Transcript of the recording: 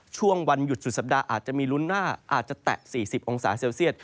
ช่วงวันหยุดสุดสัปดาห์อาจจะมีลุ้นหน้าอาจจะแตะ๔๐องศาเซลเซียต